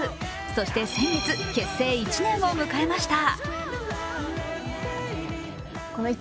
そして先月、結成１年を迎えました。